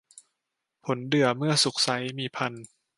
ผลเดื่อเมื่อสุกไซร้ มีพรรณ